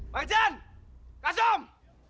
pak ejan kasum